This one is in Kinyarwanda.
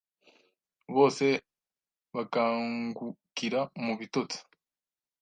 bose bakangukira mu bitotsi.